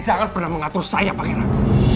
jangan pernah mengatur saya pak heran